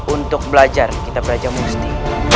untuk belajar kita brajamusti